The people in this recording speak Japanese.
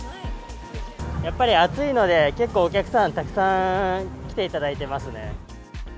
やっぱり暑いので、結構お客さん、たくさん来ていただいてますね。